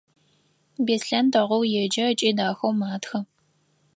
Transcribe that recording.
Беслъэн дэгъоу еджэ ыкӏи дахэу матхэ.